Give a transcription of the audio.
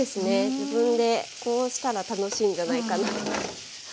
自分でこうしたら楽しいんじゃないかな。